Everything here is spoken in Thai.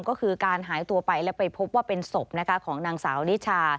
ก็คือการหายตัวไปและไปพบว่าเป็นศพของนางสาวนิชา